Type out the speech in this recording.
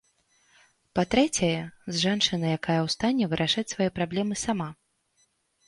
Па-трэцяе, з жанчынай, якая ў стане вырашаць свае праблемы сама.